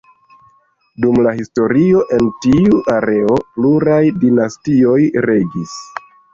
Dum la historio en tiu areo pluraj dinastioj regis.